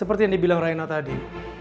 seperti yang dibilang raina tadi